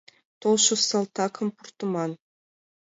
Толшо салтакым пуртыман.